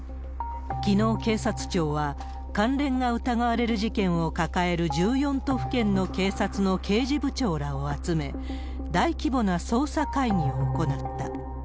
きのう、警察庁は関連が疑われる事件を抱える１４都府県の警察の刑事部長らを集め、大規模な捜査会議を行った。